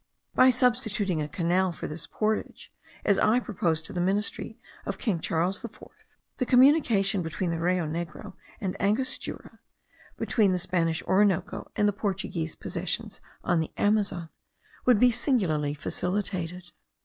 By substituting a canal for this portage, as I proposed to the ministry of king Charles IV, the communication between the Rio Negro and Angostura, between the Spanish Orinoco and the Portuguese possessions on the Amazon, would be singularly facilitated.